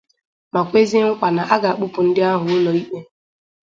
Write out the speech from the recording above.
ma kwezie nkwa na a ga-akpụpụ ndị ahụ ụlọikpe